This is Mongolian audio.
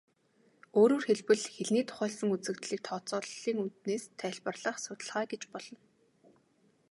Өөрөөр хэлбэл, хэлний тухайлсан үзэгдлийг тооцооллын үүднээс тайлбарлах судалгаа гэж болно.